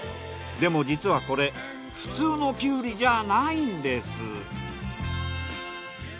でも実はこれ普通のキュウリじゃないんです。